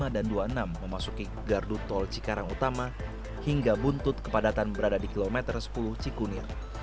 dan dua puluh enam memasuki gardu tol cikarang utama hingga buntut kepadatan berada di kilometer sepuluh cikunir